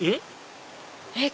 えっ？